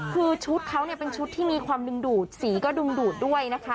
คือชุดเขาเนี่ยเป็นชุดที่มีความดึงดูดสีก็ดึงดูดด้วยนะคะ